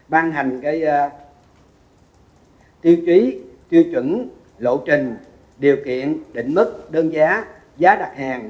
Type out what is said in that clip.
ban hành tiêu chí tiêu chuẩn lộ trình điều kiện định mức đơn giá giá đặt hàng